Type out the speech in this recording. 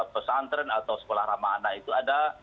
pesantren atau sekolah ramah anak itu ada